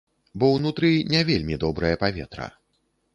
Бо ўнутры не вельмі добрае паветра.